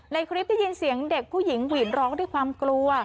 ในคลิปได้ยินเสียงเด็กผู้หญิงหวีนร้องด้วยความกลัว